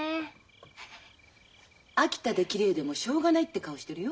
秋田できれいでもしょうがないって顔してるよ。